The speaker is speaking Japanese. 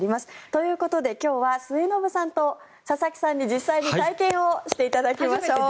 ということで今日は末延さんと佐々木さんに実際に体験していただきましょう。